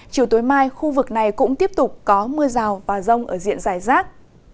chiều tối mai khu vực này cũng tiếp tục có mưa rào và rông ở diện giải rác